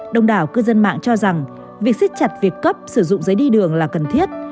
đồng đảo cư dân mạng cho rằng việc siết chặt việc cấp sử dụng giấy đi đường là cần thiết